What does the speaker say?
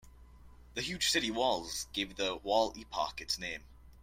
The huge city walls gave the wall epoch its name.